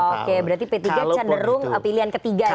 oke berarti p tiga cenderung pilihan ketiga ya